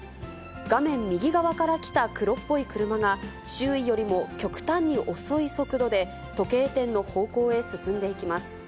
画面右側から来た黒っぽい車が、周囲よりも極端に遅い速度で、時計店の方向へ進んでいきます。